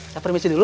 saya permisi dulu